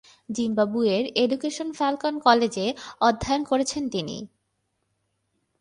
জিম্বাবুয়ের education Falcon কলেজে অধ্যয়ন করেছেন তিনি।